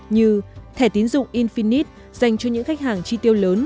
như thẻ tín dụng infinite dành cho những khách hàng chi tiêu lớn